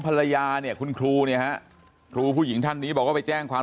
ภรรยาเนี่ยคุณครูเนี่ยฮะครูผู้หญิงท่านนี้บอกว่าไปแจ้งความ